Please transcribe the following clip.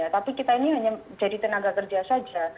tapi kita ini hanya jadi tenaga kerja saja